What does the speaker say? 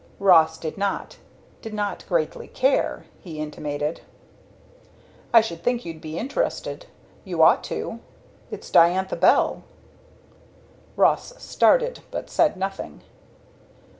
Ross did not. Did not greatly care, he intimated. "I should think you'd be interested you ought to it's Diantha Bell." Ross started, but said nothing.